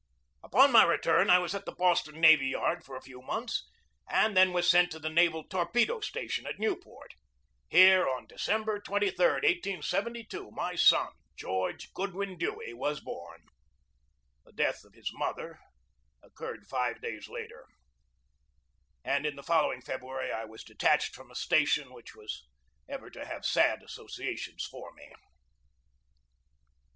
Upon my return I was at the Boston Navy Yard for a few months, and then was sent to the naval SERVICE AFTER THE WAR 145 torpedo station at Newport. Here, on December 23, 1872, my son, George Goodwin Dewey, was born. The death of his mother occurred five days later, and in the following February I was detached from a station which was ever to have sad associations for me.